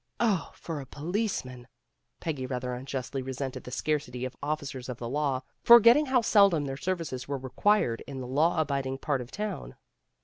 Oh, for a policeman! Peggy rather unjustly resented the scarcity of officers of the law, for getting how seldom their services were required in the law abiding part of town.